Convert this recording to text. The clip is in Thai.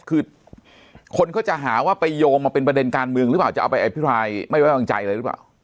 คือคนเขาจะหาว่าไปโยงมาเป็นประเด็นการเมืองหรือเปล่าจะเอาไปอภิปรายไม่ไว้วางใจอะไรหรือเปล่า